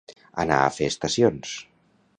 Anar a fer estacions.